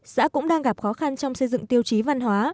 xã cũng đang gặp khó khăn trong xây dựng tiêu chí văn hóa